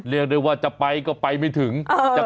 เรียกได้ว่าจะไปก็ไปไม่ถึง